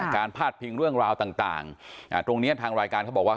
พาดพิงเรื่องราวต่างตรงนี้ทางรายการเขาบอกว่า